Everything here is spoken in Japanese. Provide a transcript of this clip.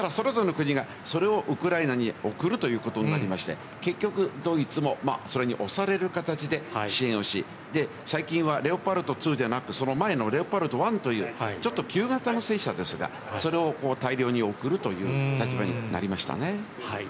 それを各国がウクライナに送るということになって、ドイツもそれに押される形で支援をし、最近は「レオパルト２」ではなく、その前の「レオパルト１」という旧型の戦車、そちらを大量におくるという立場になりましたね。